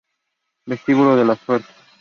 Vestíbulo Las Suertes